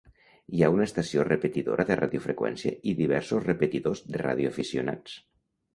Hi ha una estació repetidora de radiofreqüència i diversos repetidors de radioaficionats.